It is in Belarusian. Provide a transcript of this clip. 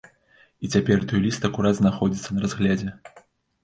І цяпер той ліст акурат знаходзіцца на разглядзе.